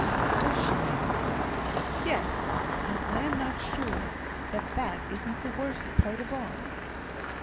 "Does she know?" "Yes; and I am not sure that that isn't the worst part of all."